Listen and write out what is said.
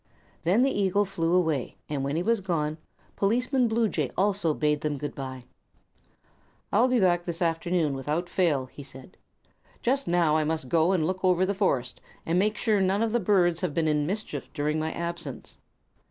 Then the eagle flew away, and when he was gone Policeman Bluejay also bade them good bye. "I'll be back this afternoon, without fail," he said. "Just now I must go and look over the forest, and make sure none of the birds have been in mischief during my absence.